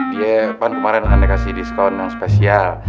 dia pan kemarin ada kasih diskon yang spesial